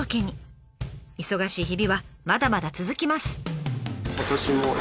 忙しい日々はまだまだ続きます。